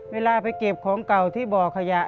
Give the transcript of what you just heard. เวลาไปเก็บของเก่าที่บ่อขยะ